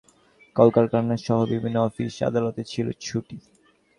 আখেরি মোনাজাতের জন্য গতকাল আশপাশের শিক্ষাপ্রতিষ্ঠান, কলকারখানাসহ বিভিন্ন অফিস-আদালতে ছিল ছুটি।